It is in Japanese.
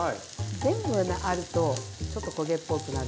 全部にあるとちょっと焦げっぽくなるんですけど。